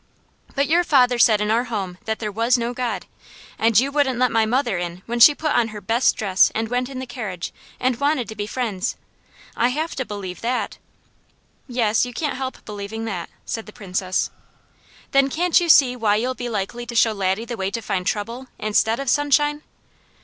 But your father said in our home that there was no God, and you wouldn't let my mother in when she put on her best dress and went in the carriage, and wanted to be friends. I have to believe that." "Yes, you can't help believing that," said the Princess. "Then can't you see why you'll be likely to show Laddie the way to find trouble, instead of sunshine?"